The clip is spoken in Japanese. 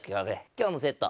今日のセット。